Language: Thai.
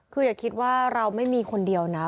คืออย่าคิดว่าเราไม่มีคนเดียวนะ